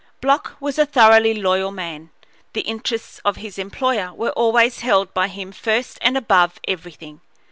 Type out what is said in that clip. Block was a thoroughly loyal man. The interests of his employer were always held by him first and above everything.